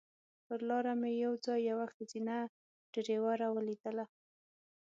پر لاره مې یو ځای یوه ښځینه ډریوره ولیدله.